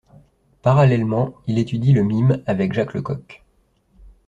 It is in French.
Parallèlement il étudie le mime avec Jacques Lecoq.